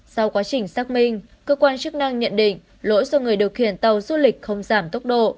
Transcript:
sau quá trình xác minh cơ quan chức năng nhận định lỗi do người điều khiển tàu du lịch không giảm tốc độ